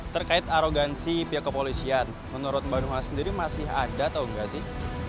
terkait arogansi pihak kepolisian menurut mbak nuh sendiri masih ada atau nggak sih